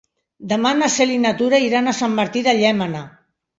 Demà na Cel i na Tura iran a Sant Martí de Llémena.